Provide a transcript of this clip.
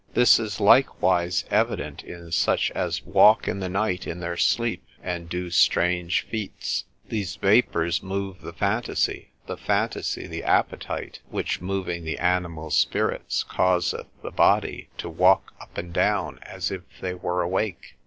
This is likewise evident in such as walk in the night in their sleep, and do strange feats: these vapours move the phantasy, the phantasy the appetite, which moving the animal spirits causeth the body to walk up and down as if they were awake.